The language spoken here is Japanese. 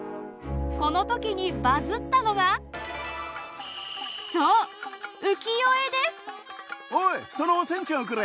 この時にバズったのがおいそのお仙ちゃんをくれ！